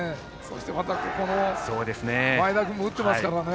また前田君も打っていますからね。